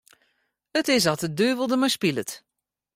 It is oft de duvel dermei spilet.